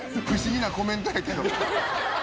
不思議なコメントやけど。